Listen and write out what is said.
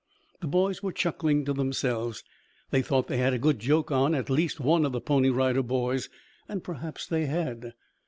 The boys were chuckling to themselves. They thought they had a good joke on at least one of the Pony Rider Boys, and perhaps they had.